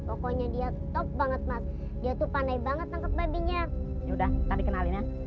pokoknya dia top banget mas jatuh pandai banget nangkep babinya udah tadi kenalin ya